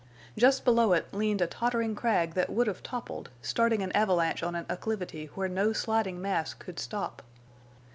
Just below it leaned a tottering crag that would have toppled, starting an avalanche on an acclivity where no sliding mass could stop.